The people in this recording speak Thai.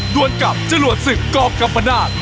ด้วนกับจรวดศึกกอล์มกัมปะนาค